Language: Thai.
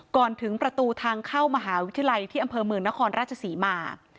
ถึงประตูทางเข้ามหาวิทยาลัยที่อำเภอเมืองนครราชศรีมา